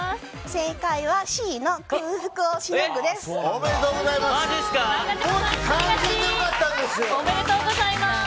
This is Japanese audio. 正解は、Ｃの空腹をしのぐです。